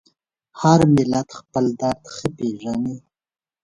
هر ملت خپل درد ښه پېژني.